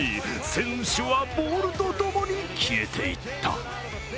選手はボールとともに消えていった。